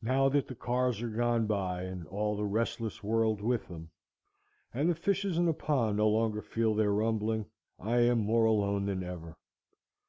Now that the cars are gone by and all the restless world with them, and the fishes in the pond no longer feel their rumbling, I am more alone than ever.